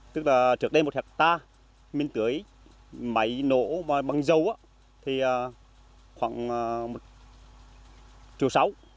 tức là trước đây một hectare miên tưới máy nổ bằng dầu khoảng một triệu sáu